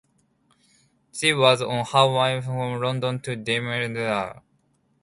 She was on her way from London to Demerara.